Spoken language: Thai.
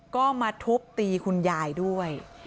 ก็มาทุบตีคุณยายด้วย